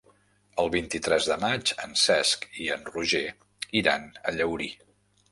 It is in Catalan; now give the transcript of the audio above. El vint-i-tres de maig en Cesc i en Roger iran a Llaurí.